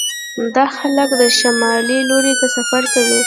دا خلک د شمال لور ته سفر کوي